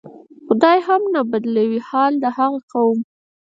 "خدای هم نه بدلوي حال د هغه قوم".